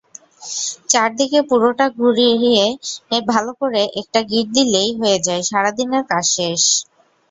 চারদিকে পুরাটা ঘুরিয়ে ভালো করে একটা গিট দিলেই হয়ে যায় সারাদিনের জন্য কাজ শেষ।